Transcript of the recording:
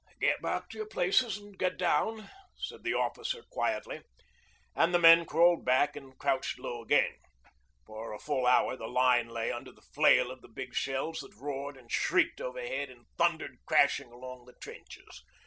'Get back to your places and get down,' said the officer quietly, and the men crawled back and crouched low again. For a full hour the line lay under the flail of the big shells that roared and shrieked overhead and thundered crashing along the trenches.